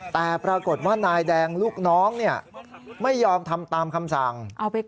แต่ปรากฏว่านายแดงลูกน้องไม่ยอมทำตามคำสั่ง